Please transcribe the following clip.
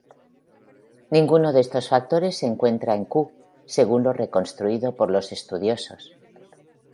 Ninguno de estos factores se encuentran en Q, según lo reconstruido por los estudiosos.